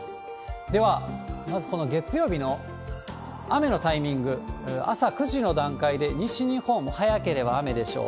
では、まずこの月曜日の雨のタイミング、朝９時の段階で、西日本、早ければ雨でしょう。